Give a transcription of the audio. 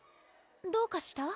どうかした？